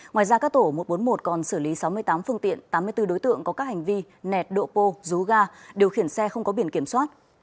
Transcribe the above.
ngoài ra các tổ một trăm bốn mươi một còn xử lý sáu mươi tám phương tiện tám mươi bốn đối tượng có các hành vi nẹt độ pô rú ga điều khiển xe không có biển kiểm soát